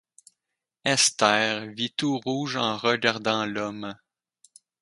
Esther vit tout rouge en regardant l’homme.